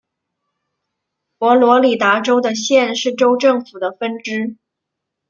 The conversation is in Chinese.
佛罗里达州的县是州政府的分支。